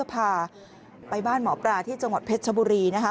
พาไปบ้านหมอปลาที่จังหวัดเพชรชบุรีนะคะ